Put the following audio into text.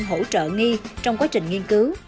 hỗ trợ nghi trong quá trình nghiên cứu